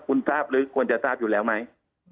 คุณทราบหรือควรจะทราบอยู่แล้วไหม